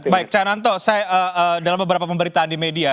baik chah nanto dalam beberapa pemberitaan di media